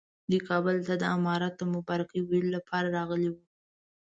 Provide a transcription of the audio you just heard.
دوی کابل ته د امارت د مبارکۍ ویلو لپاره راغلي وو.